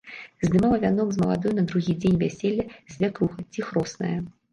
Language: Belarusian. Здымала вянок з маладой на другі дзень вяселля свякруха ці хросная.